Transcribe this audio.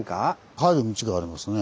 入る道がありますね。